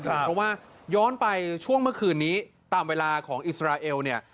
เพราะว่าย้อนไปช่วงเมื่อคืนนี้ตามเวลาของอิสราเอลเนี่ย